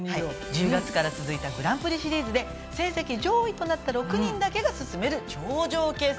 １０月から続いたグランプリシリーズで成績上位となった６人だけが進める頂上決戦です。